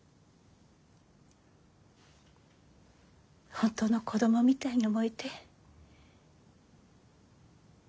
本当の子どもみたいに思えて。